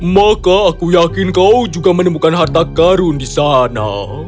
maka aku yakin kau juga menemukan harta karun di sana